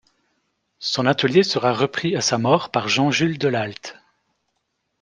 Son atelier sera repris à sa mort par Jean Jules Delhalt.